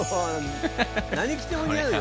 何着てもにあうよ。